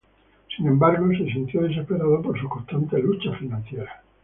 Sin embargo, se sintió desesperado por sus constantes luchas financieras.